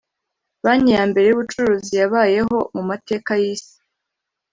Banki ya mbere y’ubucuruzi yabayeho mu mateka y’isi